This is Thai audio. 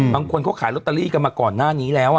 บางคนเขาขายลอตเตอรี่กันมาก่อนหน้านี้แล้ว